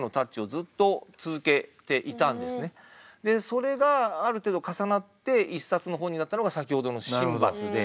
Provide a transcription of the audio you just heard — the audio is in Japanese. それがある程度重なって一冊の本になったのが先ほどの「神罰」で。